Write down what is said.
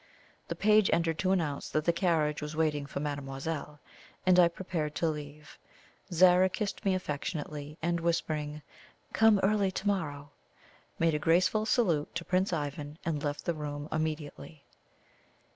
The page entered to announce that "the carriage was waiting for mademoiselle," and I prepared to leave. Zara kissed me affectionately, and whispering, "Come early to morrow," made a graceful salute to Prince Ivan, and left the room immediately.